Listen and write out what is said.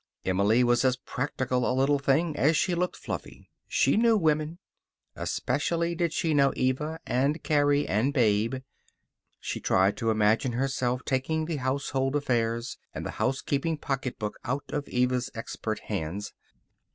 Emily was as practical a little thing as she looked fluffy. She knew women. Especially did she know Eva, and Carrie, and Babe. She tried to imagine herself taking the household affairs and the housekeeping pocket book out of Eva's expert hands.